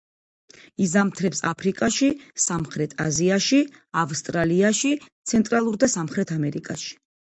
იზამთრებს აფრიკაში, სამხრეთ აზიაში, ავსტრალიაში, ცენტრალურ და სამხრეთ ამერიკაში.